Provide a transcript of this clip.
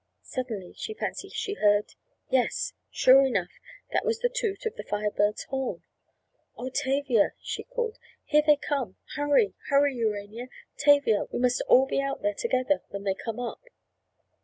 Suddenly she fancied she heard—yes—sure enough that was the toot of the Fire Bird's horn! "Oh, Tavia!" she called. "Here they come! Hurry! Hurry Urania! Tavia! We must all be out there together when they come up."